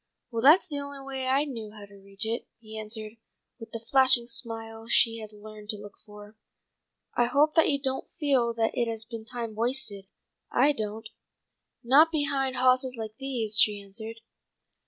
"Well, that's the only way I knew how to reach it," he answered, with the flashing smile she had learned to look for. "I hope that you don't feel that it has been time wasted. I don't." "Not behind hawses like these," she answered.